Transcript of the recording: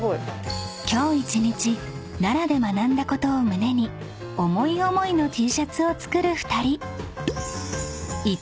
［今日一日奈良で学んだことを胸に思い思いのＴシャツを作る２人］